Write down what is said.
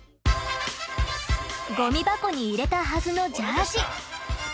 ゴミ箱に入れたはずのジャージ。